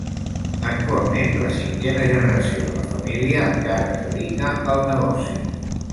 Actualment la cinquena generació de la família encara es dedica al negoci.